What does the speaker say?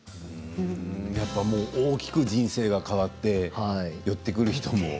大きく人生が変わって寄ってくる人も。